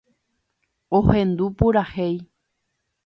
Ohendu purahéi.